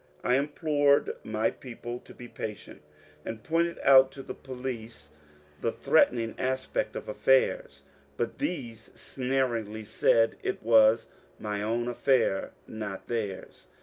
I implored my people to be patient, and pointed out to the police the threatening aspect of affairs ; but these sneeringly said it was my own affair, not theirs.